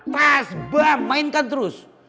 pas bam mainkan terus